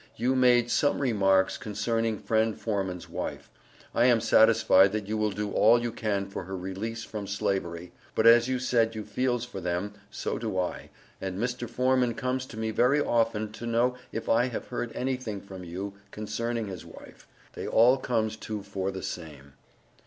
you made Some Remarks concerning friend Forman's wife, I am Satisfied that you will do all you can for her Release from Slavery, but as you said you feels for them, so do I, and Mr. Foreman comes to me very often to know if I have heard anything from you concerning his wife, they all comes to for the same.